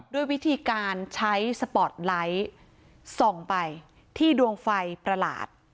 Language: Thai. ด้วยวิธีการใช้สปอร์ตไลท์ส่องไปที่ดวงไฟประหลาด